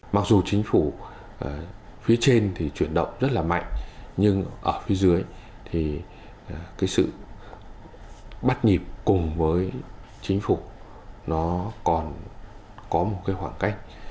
mặc dù chính phủ phía trên thì chuyển động rất là mạnh nhưng ở phía dưới thì cái sự bắt nhịp cùng với chính phủ nó còn có một cái khoảng cách